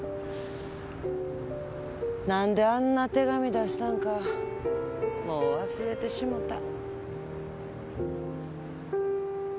なんであんな手紙出したんかもう忘れてしもた。